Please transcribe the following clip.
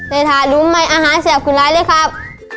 เลยถาดลุ้มใหม่อาหารเสียบขุนร้ายเลยครับ